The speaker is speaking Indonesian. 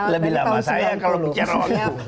lebih lama saya kalau bicara waktu